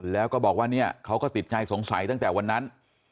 แล้วก็บอกว่าเนี่ยเขาก็ติดใจสงสัยตั้งแต่วันนั้น